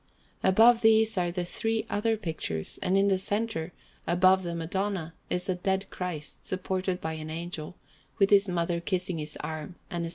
Above these are the three other pictures; and in the centre, above the Madonna, is a Dead Christ, supported by an Angel, with His Mother kissing His arm, and S.